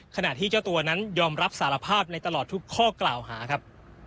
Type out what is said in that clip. ขณะที่เจ้าตัวนั้นยอมรับสารภาพในตลอดทุกข้อกล่าวหาครับ